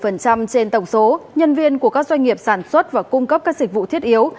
trên tổng số nhân viên của các doanh nghiệp sản xuất và cung cấp các dịch vụ thiết yếu